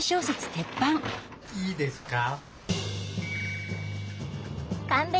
いいですか？